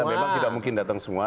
ya memang tidak mungkin datang semua